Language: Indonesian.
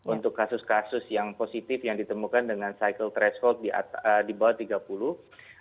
untuk kasus kasus yang positif yang ditemukan dengan cycle threshold di bawah tiga puluh